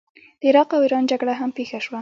د عراق او ایران جګړه هم پیښه شوه.